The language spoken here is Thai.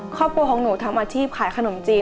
ครอบครัวของหนูทำอาชีพขายขนมจีน